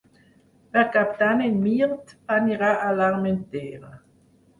Per Cap d'Any en Mirt anirà a l'Armentera.